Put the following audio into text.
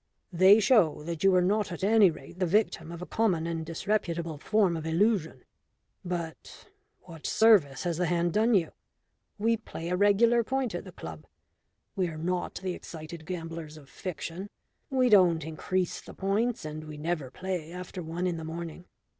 They show that you were not at any rate the victim of a common and disreputable form of illusion. But what service has the hand done you? We play a regular point at the club. We are not the excited gamblers of fiction. We don't increase the points, and we never play after one in the morning.